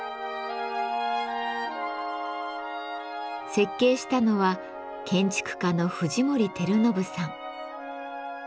設計したのは建築家の藤森照信さん。